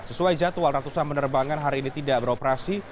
sesuai jadwal ratusan penerbangan hari ini tidak beroperasi